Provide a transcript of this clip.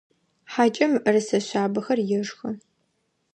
Хьакӏэм мыӏэрысэ шъабэхэр ешхы.